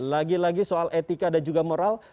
lagi lagi soal etika dan juga moral